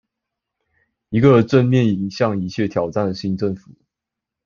一個正面迎向一切挑戰的新政府